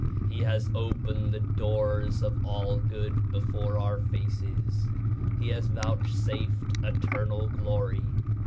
He has opened the doors of all good before our faces. He has vouchsafed eternal glory.